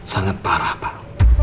sangat parah pak